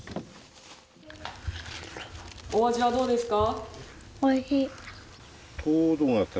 お味はどうですか。